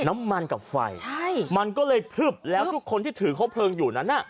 น้ำมันกับไฟใช่มันก็เลยพลึบแล้วทุกคนที่ถือครบเพลิงอยู่นั้นอ่ะ